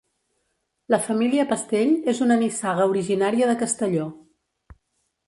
La família Pastell és una nissaga originària de Castelló.